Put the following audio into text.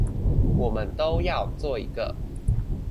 我們都要做一個